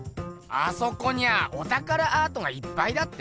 あそこにゃおたからアートがいっぱいだって？